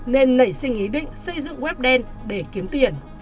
nên nảy sinh ý định xây dựng web đen để kiếm tiền